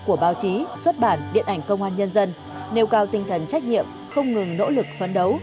của báo chí xuất bản điện ảnh công an nhân dân nêu cao tinh thần trách nhiệm không ngừng nỗ lực phấn đấu